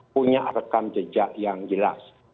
punya rekam jejak yang jelas